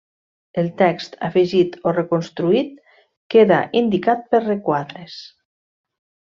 El text afegit o reconstruït queda indicat per requadres.